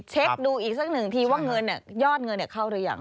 เช็คดูอีกสักหนึ่งทีว่าเงินยอดเงินเข้าหรือยัง